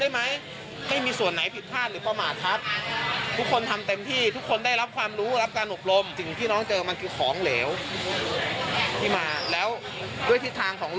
ไหมให้มีส่วนไหนผิดพลาดหรือเป้าหมายครับทุกคนทำเต็มที่ทุกคนได้รับความรู้รับการอบลมที่มันเจอมาคือของเหลวที่มาแล้วด้วยเสียชีวิตทาง